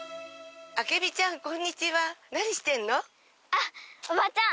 あっおばちゃん。